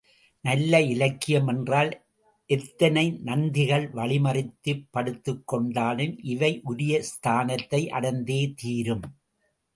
நல்ல இலக்கியமென்றால், எத்தனை நந்திகள் வழிமறித்துப் படுத்துக்கொண்டாலும் இவை உரிய ஸ்தானத்தை அடைந்தே தீரும்.